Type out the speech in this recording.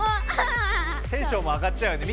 テンションも上がっちゃうよね